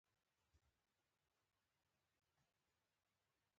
کوږ نیت خداي ته نه خوښیږي